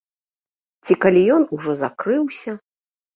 Ці калі ён ужо закрыўся.